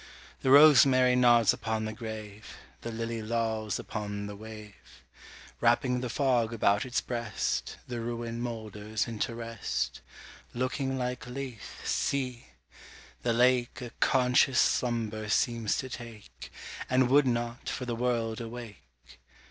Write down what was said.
The rosemary nods upon the grave; The lily lolls upon the wave; Wrapping the fog about its breast, The ruin moulders into rest; Looking like Lethe, see! the lake A conscious slumber seems to take, And would not, for the world, awake.